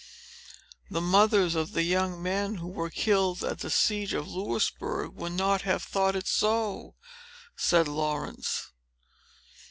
"The mothers of the young men, who were killed at the siege of Louisbourg, would not have thought it so," said Laurence.